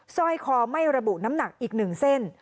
สร้อยคอไม่ระบุน้ำหนักอีก๑เส้น